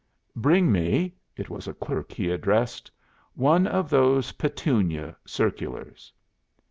Bring me (it was a clerk he addressed) one of those Petunia circulars.